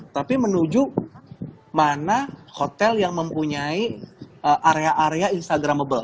tapi menuju mana hotel yang mempunyai area area instagramable